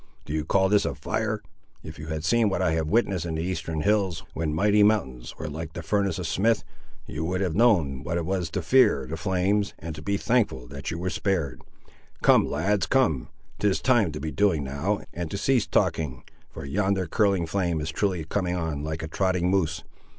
Do you call this a fire? If you had seen what I have witnessed in the Eastern hills, when mighty mountains were like the furnace of smith, you would have known what it was to fear the flames, and to be thankful that you were spared! Come, lads, come; 'tis time to be doing now, and to cease talking; for yonder curling flame is truly coming on like a trotting moose.